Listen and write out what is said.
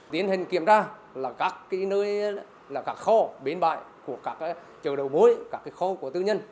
tiến hành kiểm tra các khó bến bại của các chợ đầu bối các khó của tư nhân